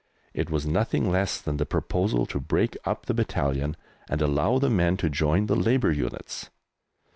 It was nothing less than the proposal to break up the battalion and allow the men to join Labour units!